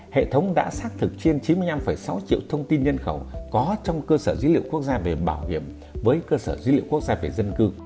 hệ thống đã xác thực trên chín mươi năm sáu triệu thông tin nhân khẩu có trong cơ sở dữ liệu quốc gia về bảo hiểm với cơ sở dữ liệu quốc gia về dân cư